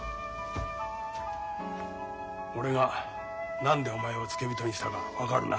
俺が何でお前を付け人にしたか分かるな。